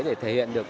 để thể hiện được